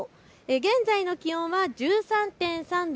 現在の気温は１３．３度。